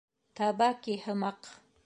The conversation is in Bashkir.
Табаки һымаҡ.